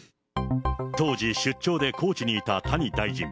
当時、出張で高知にいた谷大臣。